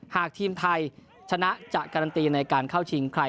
หากทีมไทยชนะจะการันตีในการเข้าชิงใคร